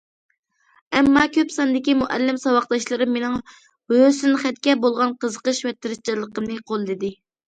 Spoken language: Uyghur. ئەمما كۆپ ساندىكى مۇئەللىم، ساۋاقداشلىرىم مېنىڭ ھۆسنخەتكە بولغان قىزىقىش ۋە تىرىشچانلىقىمنى قوللىدى.